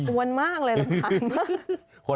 กวนมากเลยเหรอครับ